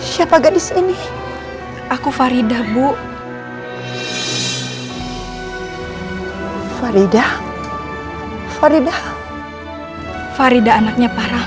siapa gadis ini aku faridah bu faridah faridah faridah faridah anaknya pak rahman